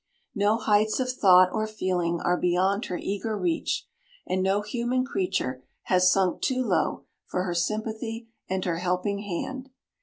No heights of thought or feeling are beyond her eager reach, and no human creature has sunk too low for her sympathy and her helping hand.